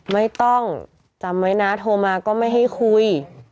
ไม่ต้องจำไว้นะโทรมาก็ไม่ให้คุย